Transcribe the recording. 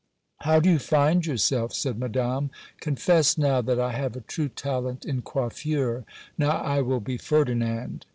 'How do you find yourself?' said Madame; 'confess now that I have a true talent in coiffure. Now I will be Ferdinand.